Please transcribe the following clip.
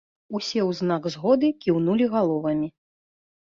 Усе ў знак згоды кіўнулі галовамі.